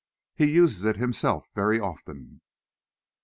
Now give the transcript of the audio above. He uses it himself very often."